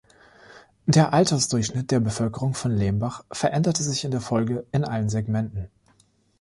Der Altersdurchschnitt der Bevölkerung von Lembach veränderte sich in der Folge in allen Segmenten.